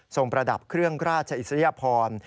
ประดับเครื่องราชอิสริยพร